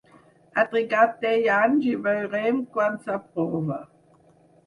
Ha trigat deu anys i veurem quan s’aprova!